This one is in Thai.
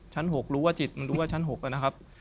ชั้น๖รู้ว่าจิตมันรู้ว่าชั้น๖นะครับ